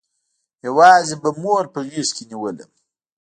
يوازې به مور په غېږ کښې نېولم.